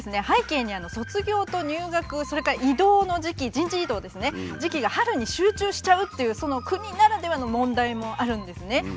背景に卒業と入学それから異動の時期人事異動ですね時期が春に集中しちゃうっていうその国ならではの問題もあるんですね。